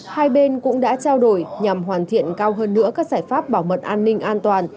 hai bên cũng đã trao đổi nhằm hoàn thiện cao hơn nữa các giải pháp bảo mật an ninh an toàn